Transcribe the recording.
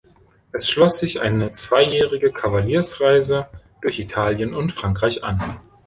Es schloss sich eine zweijährige Kavaliersreise durch Italien und Frankreich an.